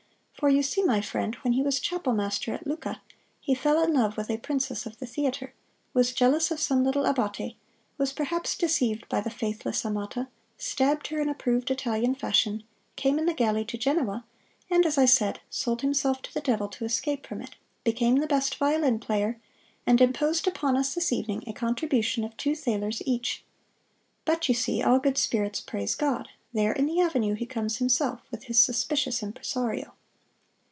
For, you see, my friend, when he was chapel master at Lucca he fell in love with a princess of the theater, was jealous of some little abbate, was perhaps deceived by the faithless amata, stabbed her in approved Italian fashion, came in the galley to Genoa, and as I said, sold himself to the devil to escape from it, became the best violin player, and imposed upon us this evening a contribution of two thalers each. But, you see, all good spirits praise God! There in the avenue he comes himself, with his suspicious impresario."